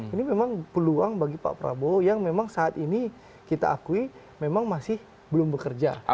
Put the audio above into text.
ini memang peluang bagi pak prabowo yang memang saat ini kita akui memang masih belum bekerja